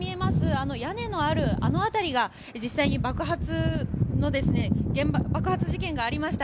あの屋根のあるあの辺りが実際に爆発事件がありました